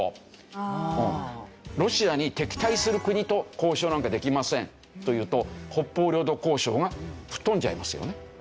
ロシアに敵対する国と交渉なんかできませんというと北方領土交渉が吹っ飛んじゃいますよね。